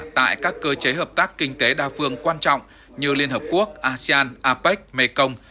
tại các cơ chế hợp tác kinh tế đa phương quan trọng như liên hợp quốc asean apec mekong